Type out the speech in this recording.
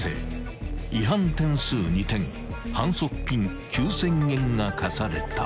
［違反点数２点反則金９，０００円が科された］